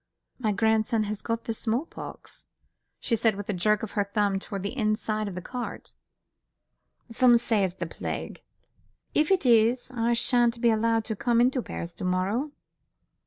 "My grandson has got the small pox," she said with a jerk of her thumb towards the inside of her cart, "some say it's the plague! If it is, I sha'n't be allowed to come into Paris to morrow."